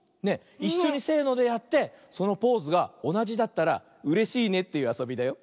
いっしょにせのでやってそのポーズがおなじだったらうれしいねというあそびだよ。